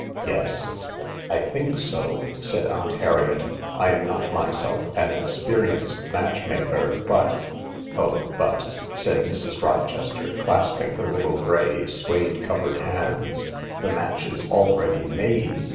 Yes ?"" I think so," said Aunt Harriet. " I am not myself an experienced match maker, but " "Oh, but," said Mrs. Rochester, clasping her little grey sudde covered hands, "the match is already made!